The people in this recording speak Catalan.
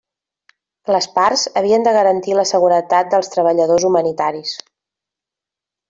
Les parts havien de garantir la seguretat dels treballadors humanitaris.